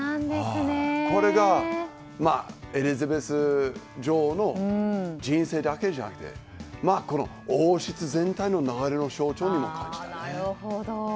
これがエリザベス女王の人生だけじゃなくて王室全体の流れの象徴にも感じましたね。